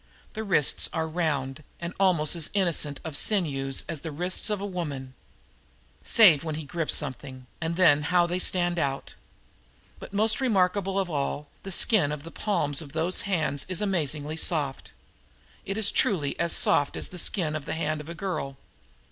The wrists are round and almost as innocent of sinews as the wrists of a woman, save when he grips something, and then how they stand out. But, most remarkable of all, the skin of the palms of those hands is amazingly soft. It is truly as soft as the skin of the hand of a girl.